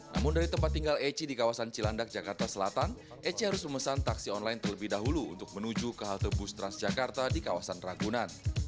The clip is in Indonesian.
namun dari tempat tinggal eci di kawasan cilandak jakarta selatan eci harus memesan taksi online terlebih dahulu untuk menuju ke halte bus transjakarta di kawasan ragunan